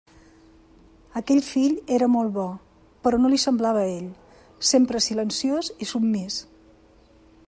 Aquell fill era molt bo, però no li semblava a ell; sempre silenciós i submís.